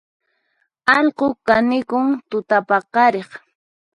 Allqu kanikun tutapaqariq